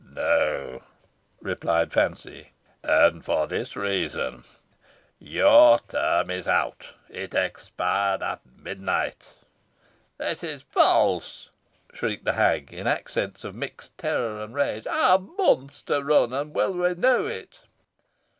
"No," replied Fancy, "and for this reason your term is out. It expired at midnight." "It is false!" shrieked the hag, in accents of mixed terror and rage. "I have months to run, and will renew it."